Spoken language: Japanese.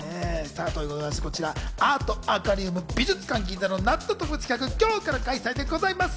こちらアートアクアリウム美術館ＧＩＮＺＡの夏の特別企画、今日から開催でございます。